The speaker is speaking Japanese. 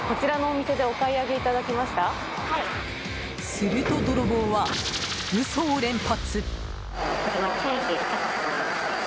すると泥棒は、嘘を連発。